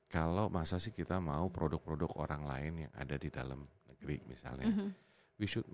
kalau masa sih kita mau produk produk orang lain yang ada di dalam negeri misalnya